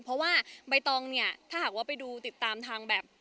เพราะว่าใบตองเนี่ยถ้าหากว่าไปดูติดตามทางแบบ